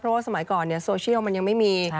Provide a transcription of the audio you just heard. เพราะว่าสมัยก่อนโซเชียลมันยังไม่มี